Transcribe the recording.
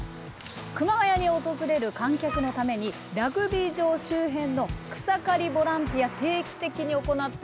熊谷に訪れる観客のためにラグビー場周辺の草刈りボランティア定期的に行っているんですね。